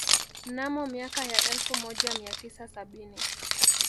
Mnamo miaka ya elfu moja mia tisa sabini